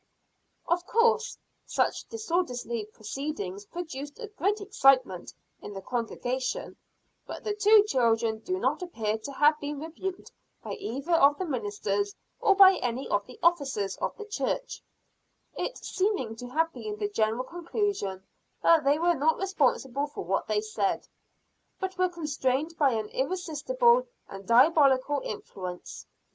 Of course such disorderly proceedings produced a great excitement in the congregation; but the two children do not appear to have been rebuked by either of the ministers, or by any of the officers of the church; it seeming to have been the general conclusion that they were not responsible for what they said, but were constrained by an irresistible and diabolical influence.